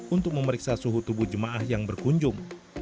untuk memeriksa suhu tubuh jemaah yang berkunjung